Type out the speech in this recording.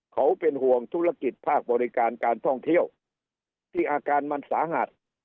เขาเป็นห่วงธุรกิจภาคบริการการท่องเที่ยวที่อาการมันสาหัส